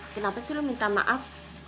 kenapa sih lo minta maaf